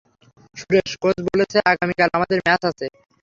Suresh, coach বলছে আগামীকাল আমাদের ম্যাচ আছে।